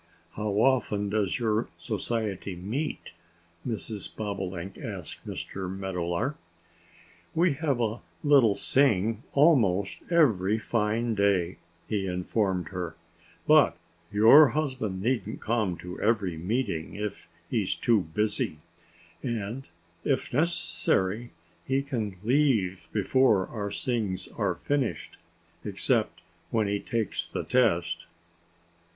"How often does your Society meet?" Mrs. Bobolink asked Mr. Meadowlark. "We have a little sing almost every fine day," he informed her. "But your husband needn't come to every meeting if he's too busy. And if necessary he can leave before our sings are finished except when he takes the test."